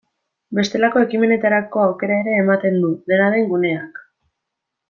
Bestelako ekimenetarako aukera ere ematen du, dena den, guneak.